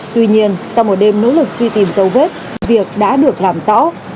tuy nhiên sau một đêm nỗ lực truy tìm dấu vết việc đã được làm rõ